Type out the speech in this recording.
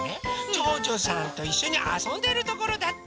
ちょうちょさんといっしょにあそんでるところだって。